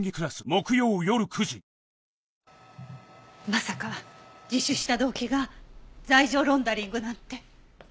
まさか自首した動機が罪状ロンダリングなんて。